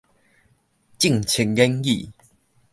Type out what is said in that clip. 政策研擬